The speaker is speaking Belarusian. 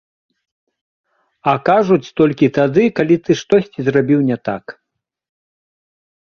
А кажуць толькі тады, калі ты штосьці зрабіў не так.